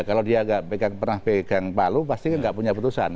kalau dia pernah pegang palu pasti nggak punya putusan